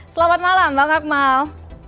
selamat malam bang akmal